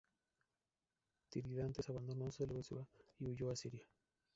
Tirídates abandonó Seleucia y huyó a Siria.